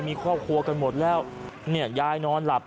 มีครอบครัวกันหมดแล้วเนี่ยยายนอนหลับ